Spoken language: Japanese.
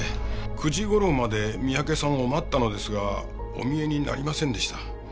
９時頃まで三宅さんを待ったのですがお見えになりませんでした。